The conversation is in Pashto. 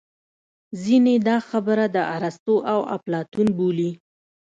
ځینې دا خبره د ارستو او اپلاتون بولي